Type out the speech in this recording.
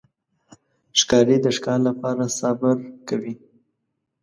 ښکاري د ښکار لپاره صبر کوي.